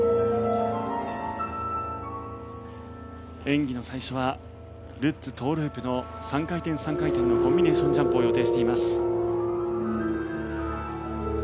演技の最初はルッツトウループの３回転３回転のコンビネーションジャンプを予定しています。